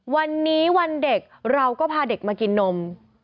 วันนี้วันเด็กเราก็พาเด็กมากินนม